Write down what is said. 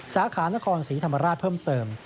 สาขานครศรีธรรมราชเพิ่มเติม